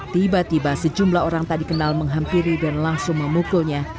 tiba tiba sejumlah orang tak dikenal menghampiri dan langsung memukulnya